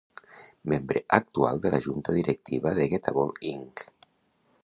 Membre actual de la junta directiva de Getable, Inc.